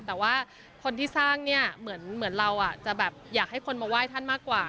แต่ว่าคนที่สร้างเนี่ยเหมือนเราจะแบบอยากให้คนมาไหว้ท่านมากกว่า